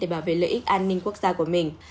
bảo vệ lợi ích an ninh quốc gia của mình